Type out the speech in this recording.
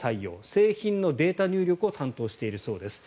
製品のデータ入力を担当しているそうです。